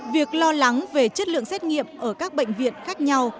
việc lo lắng về chất lượng xét nghiệm ở các bệnh viện khác nhau